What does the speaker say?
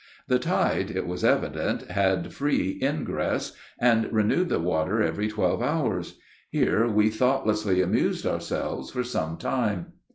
The tide, it was evident, had free ingress, and renewed the water every twelve hours. Here we thoughtlessly amused ourselves for some time.